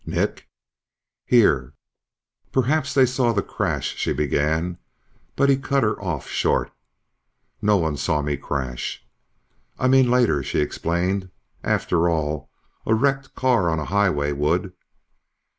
"Nick?" "Here." "Perhaps they saw the crash..." she began, but he cut her off short. "No one saw me crash." "I mean, later," she explained. "After all, a wrecked car on a highway would..."